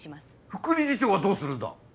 副理事長はどうするんだ？